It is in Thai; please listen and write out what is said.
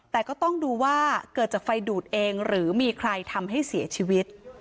แต่ก็ต้องดูว่าเกิดจากไฟดูดเองหรือมีใครทำให้เสียชีวิต